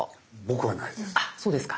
僕はないです。